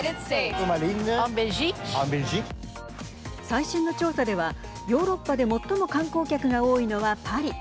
最新の調査ではヨーロッパで最も観光客が多いのはパリ。